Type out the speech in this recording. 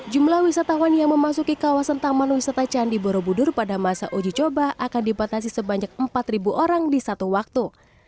jumlah wisatawan yang memasuki kawasan taman wisata candi borobudur pada masa uji coba akan dibatasi sebanyak empat orang di satu waktu